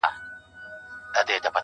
خو دوی ويله چي تر ټولو مسلمان ښه دی